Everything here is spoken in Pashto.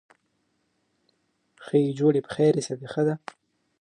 افغانستان د طبیعي زیرمې په برخه کې نړیوال شهرت لري.